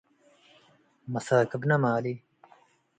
መሳክብነ ማሌ